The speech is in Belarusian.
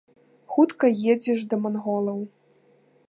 Хутка едзеш да манголаў.